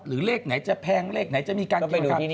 เลขไหนจะแพงเลขไหนจะมีการกินผัก